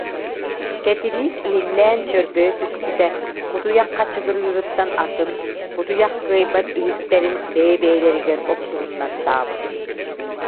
Кэтириис иһиллээн чөрбөйө түспүтэ, кутуйах хачыгырыырыттан атын, кутуйах кыайбат иһиттэрин бэйэ-бэйэлэригэр охсуһуннартаабыт